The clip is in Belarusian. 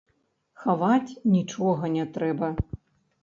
Хаваць нічога не трэба.